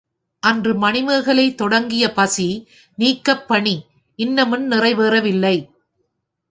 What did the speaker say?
அன்று மணிமேகலை தொடங்கிய பசி நீக்கப்பணி, இன்னமும் நிறைவேறவில்லை.